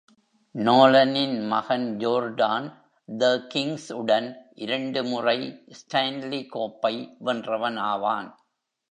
நோலனின் மகன் Jordan, the Kings உடன் இரண்டு முறை ஸ்டான்லி கோப்பை வென்றவன் ஆவான்.